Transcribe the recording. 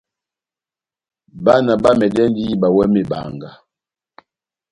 Bána bamɛdɛndi ihíba iwɛ mebanga.